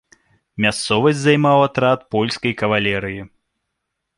Мясцовасць займаў атрад польскай кавалерыі.